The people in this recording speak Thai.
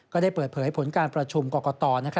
ก็ได้เปิดเผยผลการประชุมกรกต